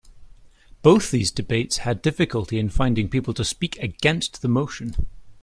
Both these debates had difficulty in finding people to speak against the motion.